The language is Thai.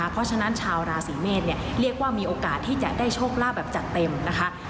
เพราะฉะนั้นชาวราศีเมษเรียกว่ามีโอกาสที่จะได้โชคลาภแบบจัดเต็มนะคะ